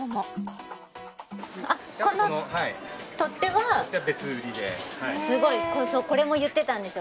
あっこのすごいこれも言ってたんですよ